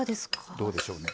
どうでしょうね。